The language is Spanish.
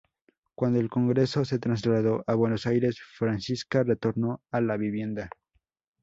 Cuando el Congreso se trasladó a Buenos Aires, Francisca retornó a la vivienda.